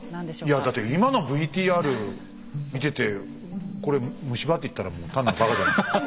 いやだって今のＶＴＲ見ててこれ「虫歯」って言ったらもう単なるばかじゃないの。